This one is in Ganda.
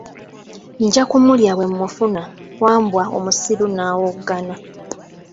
Nja kumulya bwe mmufuna, Wambwa omusiru n'awoggana.